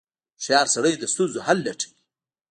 • هوښیار سړی د ستونزو حل لټوي.